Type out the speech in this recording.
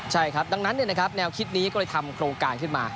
ใช่ครับดังนั้นแนวคิดนี้ก็เลยทำโครงการขึ้นมา